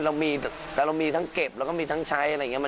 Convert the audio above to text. เรามีแต่เรามีทั้งเก็บแล้วก็มีทั้งใช้อะไรอย่างนี้